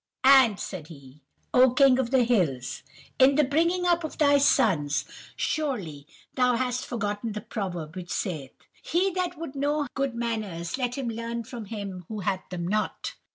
"'And,' said he, 'oh King of the Hills, in the bringing up of thy sons, surely thou hast forgotten the proverb which saith, "He that would know good manners, let him learn them from him who hath them not."